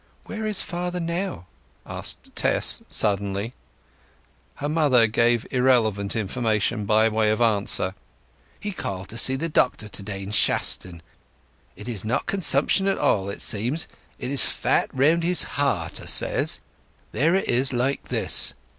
"Where is father now?" asked Tess suddenly. Her mother gave irrelevant information by way of answer: "He called to see the doctor to day in Shaston. It is not consumption at all, it seems. It is fat round his heart, 'a says. There, it is like this."